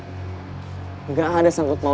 gue kecelakaan pure karena kecerobohan gue sendiri